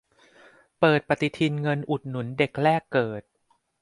เปิดปฏิทินเงินอุดหนุนเด็กแรกเกิด